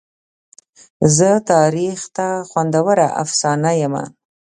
زه تاریخ ته خوندوره افسانه یمه.